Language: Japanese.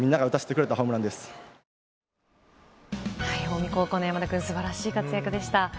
近江高校の山田君、すばらしい活躍でした。